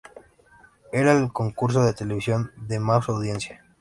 Era el concurso de televisión de más audiencia.